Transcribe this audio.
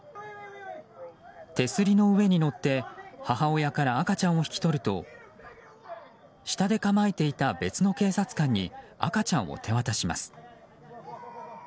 手すりの上に上って母親から赤ちゃんを引き取ると下で構えていた別の警察官に赤ちゃんを手渡します。